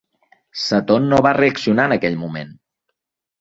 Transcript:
Seton no va reaccionar en aquell moment.